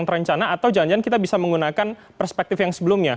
rencana atau jangan jangan kita bisa menggunakan perspektif yang sebelumnya